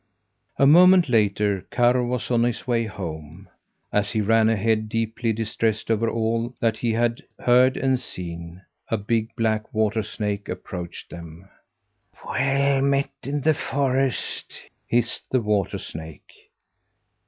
A moment later Karr was on his way home. As he ran ahead, deeply distressed over all that he had heard and seen, a big black water snake approached them. "Well met in the forest!" hissed the water snake.